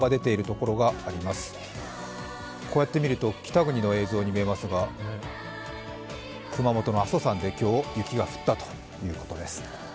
こうやって見ると北国の映像に見えますが、熊本の阿蘇山で今日雪が降ったということです。